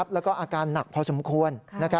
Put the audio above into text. แล้วก็อาการหนักพอสมควร